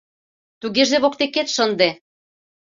— Тугеже воктекет шынде!